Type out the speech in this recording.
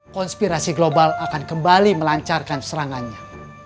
konspirasi global akan kembali melancarkan serangannya